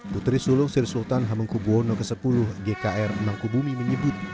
putri sulung sri sultan hamengkubwono x gkr mangkubumi menyebut